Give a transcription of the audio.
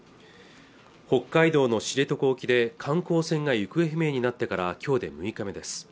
北海道の知床沖で観光船が行方不明になってから今日で６日目です